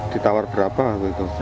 ditawar berapa itu